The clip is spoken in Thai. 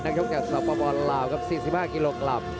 นักชกจากสปปลาว๔๕กิโลกรัม